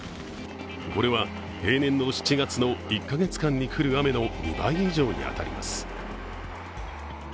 これは平年の７月の１カ月間に降る雨の２倍以上に当たります。